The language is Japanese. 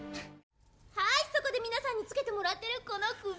はいそこで皆さんに着けてもらってるこの首輪です！